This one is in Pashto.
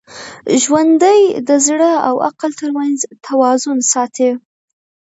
ژوندي د زړه او عقل تر منځ توازن ساتي